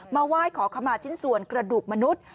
มาไหว้ขอขมาชิ้นส่วนกระดูกมนุษย์